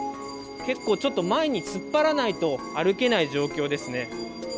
結構、ちょっと前に突っ張らないと歩けない状況ですね。